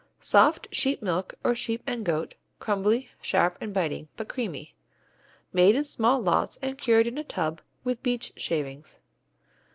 Soft, sheep milk or sheep and goat; crumbly, sharp and biting, but creamy. Made in small lots and cured in a tub with beech shavings.